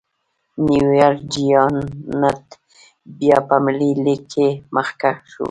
نیویارک جېانټ بیا په ملي لېګ کې مخکښ و.